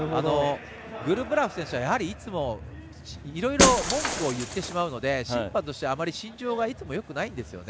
グルブラク選手は、いつもいろいろ文句を言ってしまうので審判の心象はあまり良くないんですよね。